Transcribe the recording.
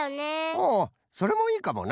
ほうそれもいいかもな。